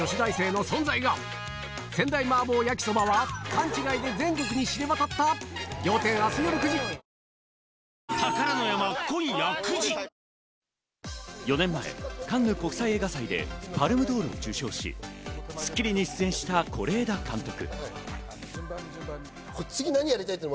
これ、これ、出ないように４年前、カンヌ国際映画祭でパルムドールを受賞し『スッキリ』に出演した是枝監督。